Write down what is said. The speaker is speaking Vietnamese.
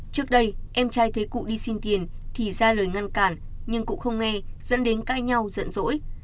trước đây em trai thấy cụ đi xin tiền thì ra lời ngăn cản nhưng cũng không nghe dẫn đến cãi nhau dẫn dỗi